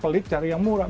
pelik cari yang murah